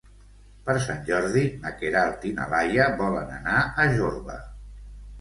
Per Sant Jordi na Queralt i na Laia volen anar a Jorba.